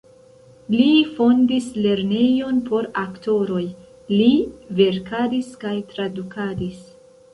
Li fondis lernejon por aktoroj, li verkadis kaj tradukadis.